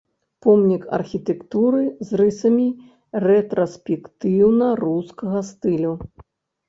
Помнік архітэктуры з рысамі рэтраспектыўна-рускага стылю.